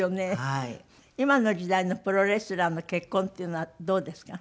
今の時代のプロレスラーの結婚っていうのはどうですか？